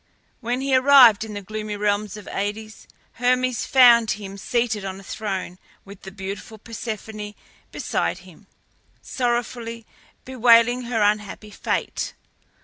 When he arrived in the gloomy realms of Aïdes, Hermes found him seated on a throne with the beautiful Persephone beside him, sorrowfully bewailing her unhappy fate.